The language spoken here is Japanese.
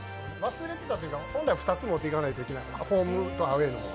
忘れてたというか本来２つ持っていかないといけないホームとアウェーの。